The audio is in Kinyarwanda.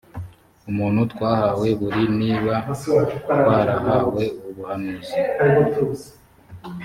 ubuntu twahawe buri niba twarahawe ubuhanuzi